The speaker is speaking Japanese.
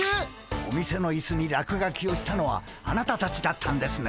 お店のいすに落書きをしたのはあなたたちだったんですね。